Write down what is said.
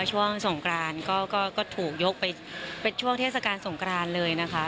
ช่วงสงกรานก็ถูกยกไปเป็นช่วงเทศกาลสงกรานเลยนะคะ